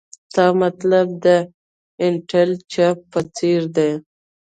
تا مطلب د انټیل چپ په څیر دی